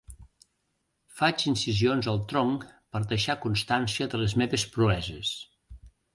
Faig incisions al tronc per deixar constància de les meves proeses.